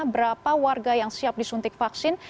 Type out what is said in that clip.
berapa warga yang siap disuntik vaksin